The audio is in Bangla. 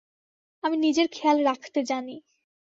আমি নিজের খেয়াল রাখতে জানি।